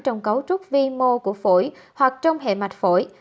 trong cấu trúc vi mô của phổi hoặc trong hệ mạch phổi